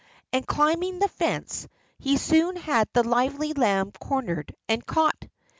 And climbing the fence, he soon had the lively lamb cornered and caught.